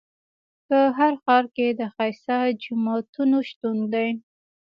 په هر ښار کې د ښایسته جوماتونو شتون دی.